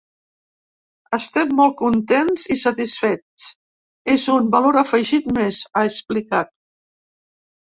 “Estem molt contents i satisfets, és un valor afegit més”, ha explicat.